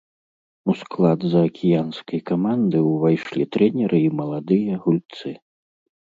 У склад заакіянскай каманды ўвайшлі трэнеры і маладыя гульцы.